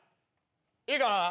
いいか？